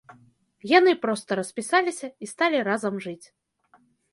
Яны проста распісаліся і сталі разам жыць.